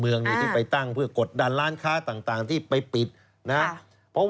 เพราะว่าออกไม่ได้ของก็ยังอยู่อาหารจับเฝ้า